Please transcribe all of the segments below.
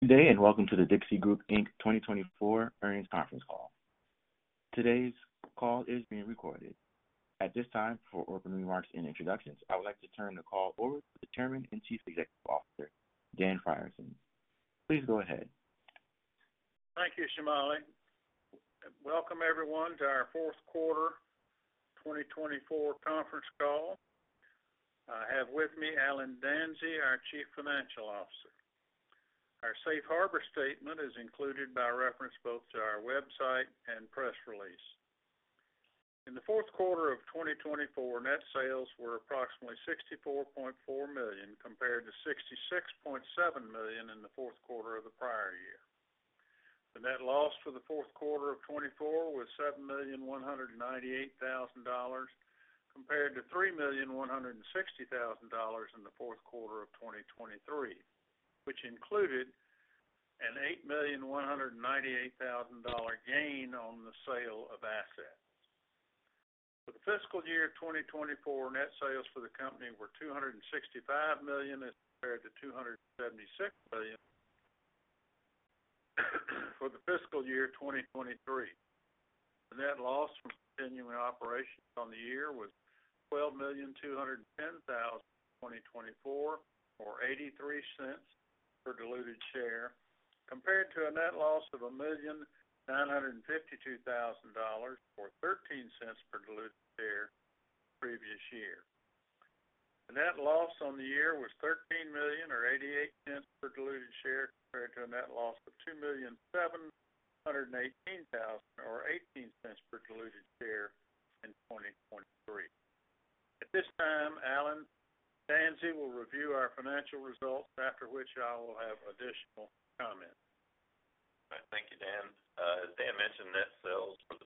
Good day and welcome to The Dixie Group Inc 2024 earnings conference call. Today's call is being recorded. At this time, for open remarks and introductions, I would like to turn the call over to Chairman and Chief Executive Officer, Dan Frierson. Please go ahead. Thank you, Shomali. Welcome, everyone, to our fourth quarter 2024 conference call. I have with me Allen Danzey, our Chief Financial Officer. Our safe harbor statement is included by reference both to our website and press release. In the fourth quarter of 2024, net sales were approximately $64.4 million compared to $66.7 million in the fourth quarter of the prior year. The net loss for the fourth quarter of 2024 was $7,198,000 compared to $3,160,000 in the fourth quarter of 2023, which included an $8,198,000 gain on the sale of assets. For the fiscal year 2024, net sales for the company were $265 million as compared to $276 million for the fiscal year 2023. The net loss from continuing operations on the year was $12,210,000 in 2024, or $0.83 per diluted share, compared to a net loss of $1,952,000 or $0.13 per diluted share the previous year. The net loss on the year was $13 million, or $0.88 per diluted share, compared to a net loss of $2.7 million, or $0.18 per diluted share in 2023. At this time, Allen Danzey will review our financial results, after which I will have additional comments. Thank you, Dan. As Dan mentioned, net sales for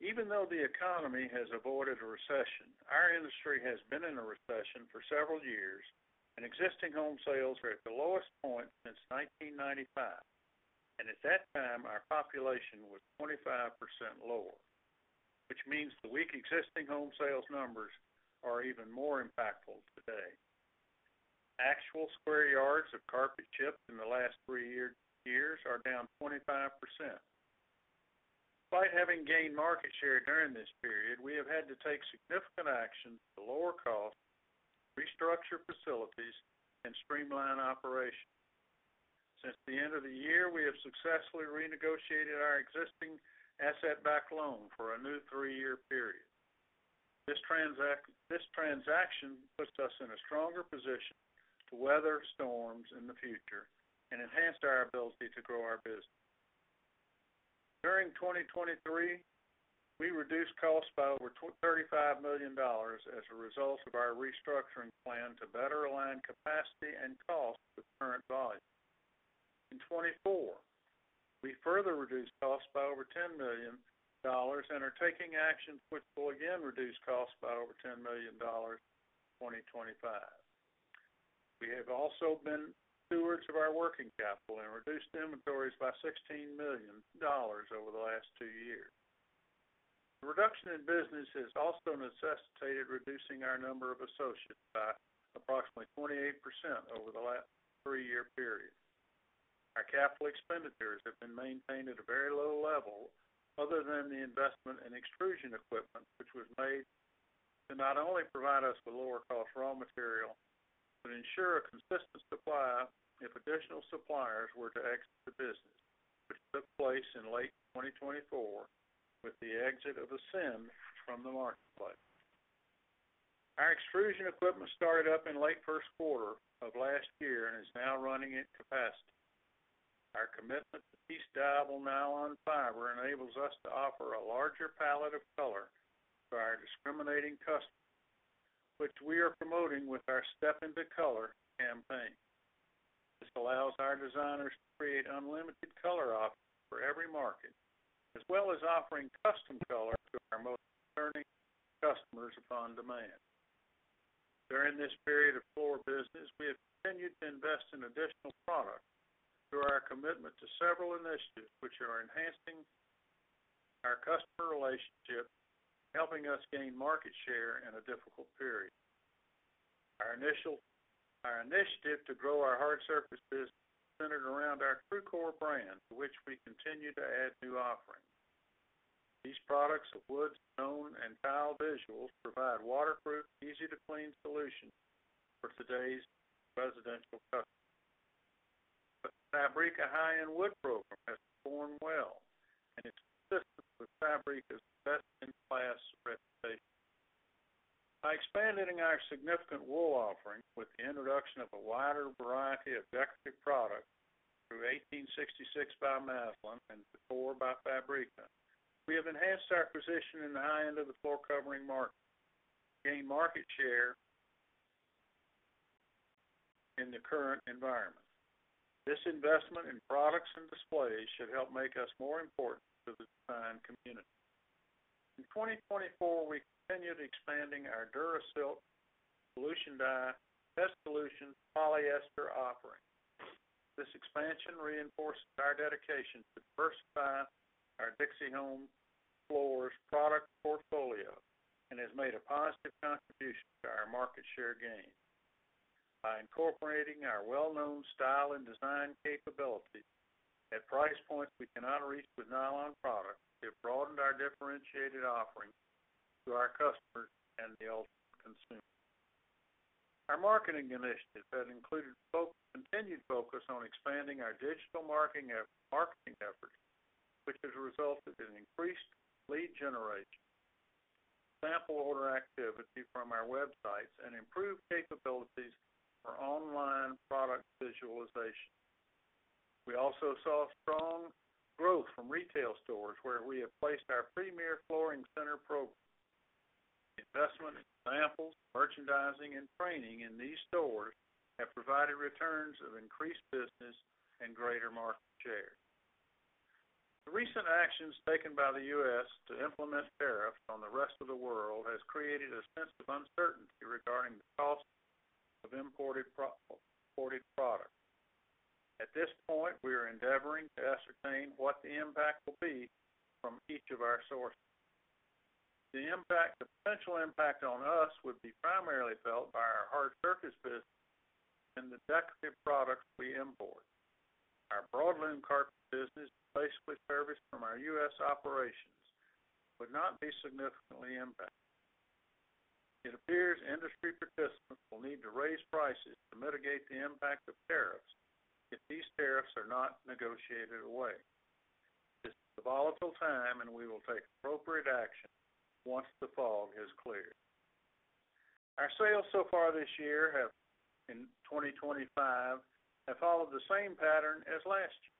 Even though the economy has avoided a recession, our industry has been in a recession for several years, and existing home sales were at the lowest point since 1995. At that time, our population was 25% lower, which means the weak existing home sales numbers are even more impactful today. Actual square yards of carpet shipped in the last three years are down 25%. Despite having gained market share during this period, we have had to take significant action to lower costs, restructure facilities, and streamline operations. Since the end of the year, we have successfully renegotiated our existing asset-backed loan for a new three-year period. This transaction puts us in a stronger position to weather storms in the future and enhanced our ability to grow our business. During 2023, we reduced costs by over $35 million as a result of our restructuring plan to better align capacity and cost with current volume. In 2024, we further reduced costs by over $10 million and are taking actions which will again reduce costs by over $10 million in 2025. We have also been stewards of our working capital and reduced inventories by $16 million over the last two years. The reduction in business has also necessitated reducing our number of associates by approximately 28% over the last three-year period. Our capital expenditures have been maintained at a very low level other than the investment in extrusion equipment, which was made to not only provide us with lower-cost raw material but ensure a consistent supply if additional suppliers were to exit the business, which took place in late 2024 with the exit of Ascend from the marketplace. Our extrusion equipment started up in late first quarter of last year and is now running at capacity. Our commitment to piece-dyeable nylon fiber enables us to offer a larger palette of color to our discriminating customers, which we are promoting with our Step Into Color campaign. This allows our designers to create unlimited color options for every market, as well as offering custom color to our most discerning customers upon demand. During this period of floor business, we have continued to invest in additional products through our commitment to several initiatives, which are enhancing our customer relationship, helping us gain market share in a difficult period. Our initiative to grow our hard surface business centered around our Trucor brand, to which we continue to add new offerings. These products of wood, stone, and tile visuals provide waterproof, easy-to-clean solutions for today's residential customers. The Fabrica high-end wood program has performed well, and it's consistent with Fabrica's best-in-class reputation. By expanding our significant wool offering with the introduction of a wider variety of decorative products through 1866 by Masland and Z-Tour by Fabrica, we have enhanced our position in the high-end of the floor covering market and gained market share in the current environment. This investment in products and displays should help make us more important to the design community. In 2024, we continue expanding our Duracolor solution-dyed polyester offering. This expansion reinforces our dedication to diversify our DH Floors product portfolio and has made a positive contribution to our market share gain. By incorporating our well-known style and design capabilities at price points we cannot reach with nylon products, we have broadened our differentiated offering to our customers and the ultimate consumer. Our marketing initiative has included continued focus on expanding our digital marketing efforts, which has resulted in increased lead generation, sample order activity from our websites, and improved capabilities for online product visualization. We also saw strong growth from retail stores, where we have placed our Premier Flooring Center program. Investment in samples, merchandising, and training in these stores have provided returns of increased business and greater market share. The recent actions taken by the U.S. To implement tariffs on the rest of the world have created a sense of uncertainty regarding the cost of imported products. At this point, we are endeavoring to ascertain what the impact will be from each of our sources. The potential impact on us would be primarily felt by our hard surface business and the decorative products we import. Our broad-loom carpet business, basically serviced from our U.S. operations, would not be significantly impacted. It appears industry participants will need to raise prices to mitigate the impact of tariffs if these tariffs are not negotiated away. This is a volatile time, and we will take appropriate action once the fog has cleared. Our sales so far this year in 2025 have followed the same pattern as last year.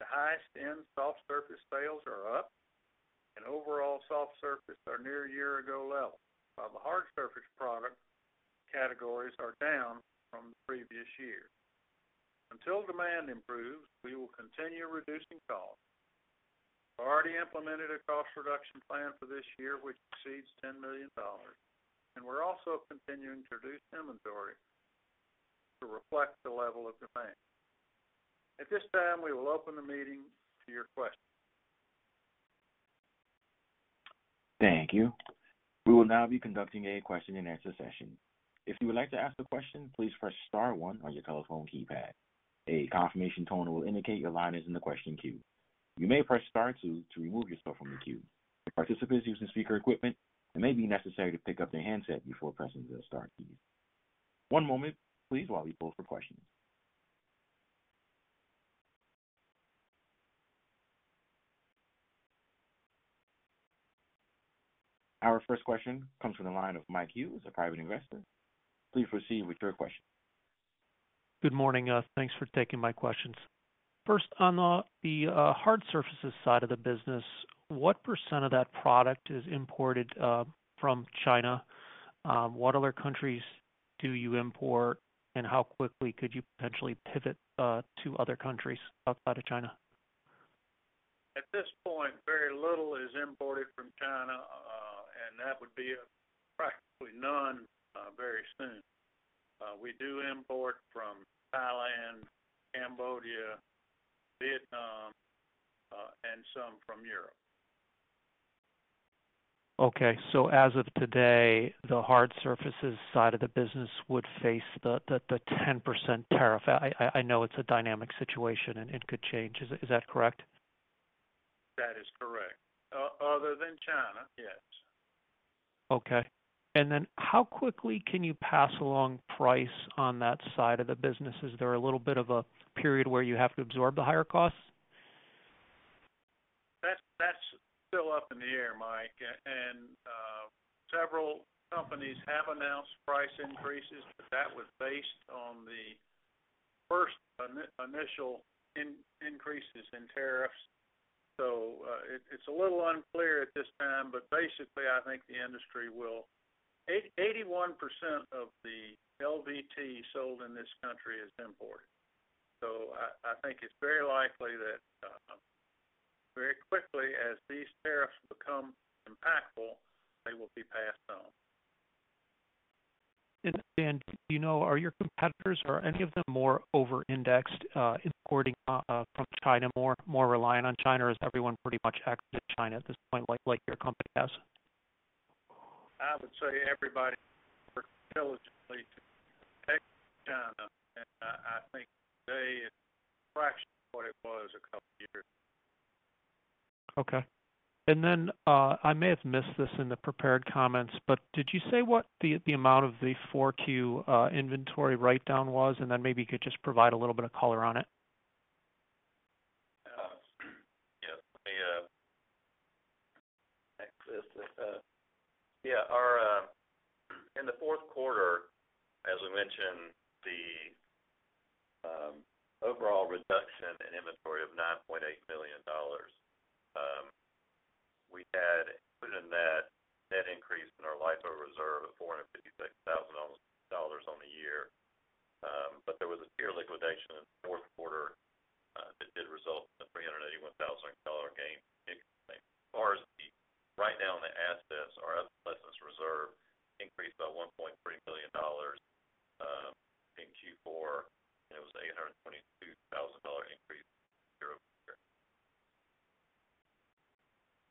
The highest-end soft surface sales are up, and overall soft surface are near year-ago levels, while the hard surface product categories are down from the previous year. Until demand improves, we will continue reducing costs. We've already implemented a cost-reduction plan for this year, which exceeds $10 million, and we're also continuing to reduce inventory to reflect the level of demand. At this time, we will open the meeting to your questions. Thank you. We will now be conducting a question-and-answer session. If you would like to ask a question, please press *1 on your telephone keypad. A confirmation tone will indicate your line is in the question queue. You may press *2 to remove yourself from the queue. Participants using speaker equipment may need to pick up their handset before pressing the * key. One moment, please, while we pull up for questions. Our first question comes from the line of Mike Hughes, a private investor. Please proceed with your question. Good morning. Thanks for taking my questions. First, on the hard surfaces side of the business, what % of that product is imported from China? What other countries do you import, and how quickly could you potentially pivot to other countries outside of China? At this point, very little is imported from China, and that would be practically none very soon. We do import from Thailand, Cambodia, Vietnam, and some from Europe. Okay. As of today, the hard surfaces side of the business would face the 10% tariff. I know it's a dynamic situation, and it could change. Is that correct? That is correct. Other than China, yes. Okay. How quickly can you pass along price on that side of the business? Is there a little bit of a period where you have to absorb the higher costs? That's still up in the air, Mike. Several companies have announced price increases, but that was based on the first initial increases in tariffs. It's a little unclear at this time, but basically, I think the industry will. 81% of the LVT sold in this country is imported. I think it's very likely that very quickly, as these tariffs become impactful, they will be passed on. Dan, do you know, are your competitors, are any of them more over-indexed importing from China, more reliant on China, or is everyone pretty much exporting to China at this point, like your company has? I would say everybody is more diligently exporting to China, and I think today it's fractional of what it was a couple of years ago. Okay. I may have missed this in the prepared comments, but did you say what the amount of the Q4 inventory write-down was? Maybe you could just provide a little bit of color on it. Yeah. In the fourth quarter, as we mentioned, the overall reduction in inventory of $9.8 million. We had put in that increase in our LIFO reserve of $456,000 on the year, but there was a tier liquidation in the fourth quarter that did result in a $381,000 gain income. As far as the write-down, the assets are up less than reserve, increased by $1.3 million in Q4, and it was an $822,000 increase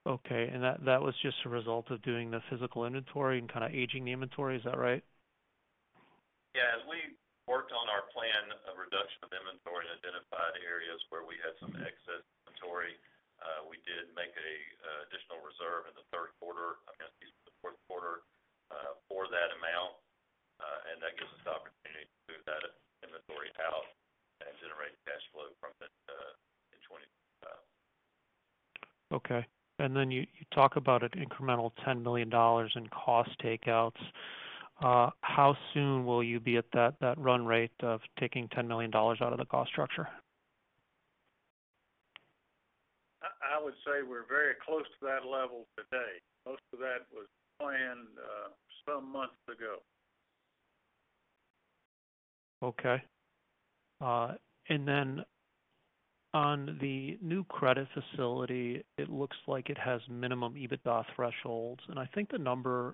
year-over-year. Okay. That was just a result of doing the physical inventory and kind of aging the inventory, is that right? Yeah. We worked on our plan of reduction of inventory and identified areas where we had some excess inventory. We did make an additional reserve in the third quarter, I guess the fourth quarter, for that amount, and that gives us the opportunity to move that inventory out and generate cash flow from it in 2025. Okay. You talk about an incremental $10 million in cost takeout. How soon will you be at that run rate of taking $10 million out of the cost structure? I would say we're very close to that level today. Most of that was planned some months ago. Okay. On the new credit facility, it looks like it has minimum EBITDA thresholds. I think the number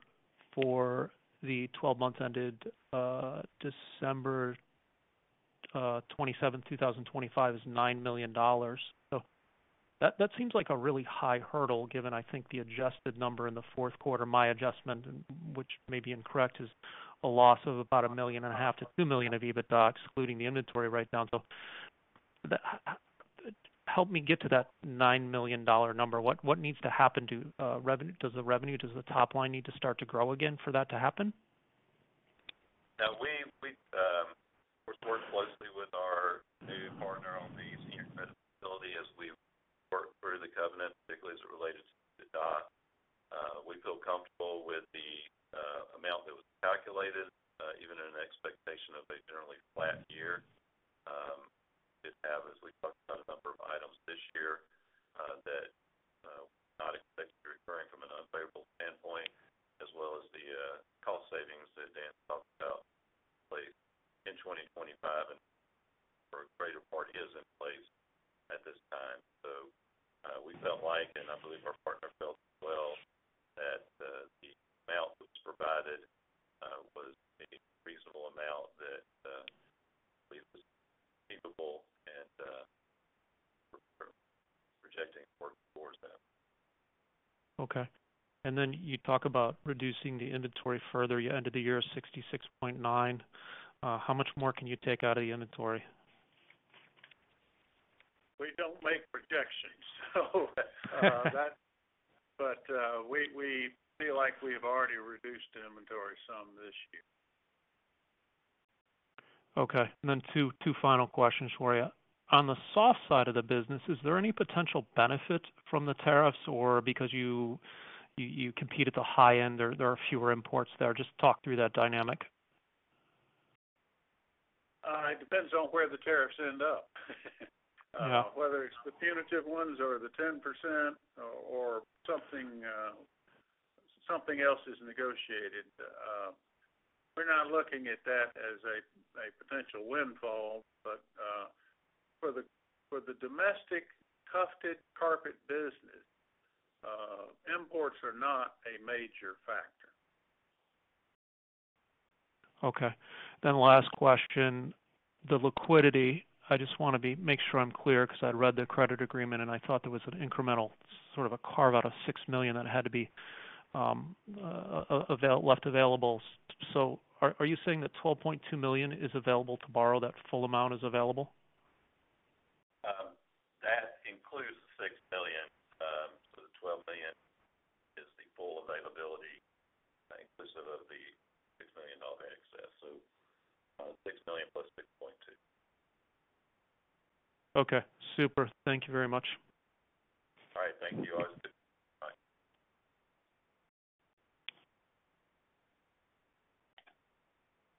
for the 12-month ended December 27, 2025 is $9 million. That seems like a really high hurdle given, I think, the adjusted number in the fourth quarter, my adjustment, which may be incorrect, is a loss of about $1.5 million-$2 million of EBITDA, excluding the inventory write-down. Help me get to that $9 million number. What needs to happen to revenue? Does the revenue, does the top line need to start to grow again for that to happen? Yeah. We're working closely with our new partner on the senior credit facility as we work through the covenant, particularly as it relates to EBITDA. We feel comfortable with the amount that was calculated, even in an expectation of a generally flat year. We did have, as we talked about, a number of items this year that we're not expecting to be recurring from an unfavorable standpoint, as well as the cost savings that Dan talked about in 2025, and for a greater part, is in place at this time. We felt like, and I believe our partner felt as well, that the amount that was provided was a reasonable amount that we were capable and projecting forward towards that. Okay. You talk about reducing the inventory further. You ended the year at $66.9 million. How much more can you take out of the inventory? We don't make projections, but we feel like we've already reduced inventory some this year. Okay. Two final questions for you. On the soft side of the business, is there any potential benefit from the tariffs or because you compete at the high end or there are fewer imports there? Just talk through that dynamic. It depends on where the tariffs end up. Whether it's the punitive ones or the 10% or something else is negotiated. We're not looking at that as a potential windfall, but for the domestic tufted carpet business, imports are not a major factor. Okay. Last question, the liquidity. I just want to make sure I'm clear because I read the credit agreement, and I thought there was an incremental sort of a carve-out of $6 million that had to be left available. Are you saying that $12.2 million is available to borrow, that full amount is available? That includes the $6 million. The $12 million is the full availability inclusive of the $6 million excess. $6 million plus $6.2 million. Okay. Super. Thank you very much. All right. Thank you. Bye.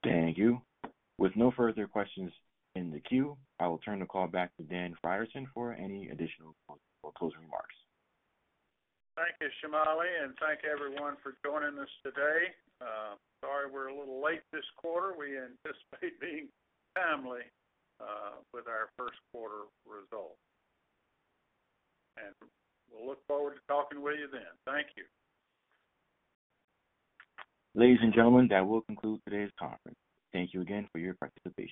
Thank you. With no further questions in the queue, I will turn the call back to Dan Frierson for any additional closing remarks. Thank you, Shomali, and thank everyone for joining us today. Sorry we are a little late this quarter. We anticipate being timely with our first quarter results. We look forward to talking with you then. Thank you. Ladies and gentlemen, that will conclude today's conference. Thank you again for your participation.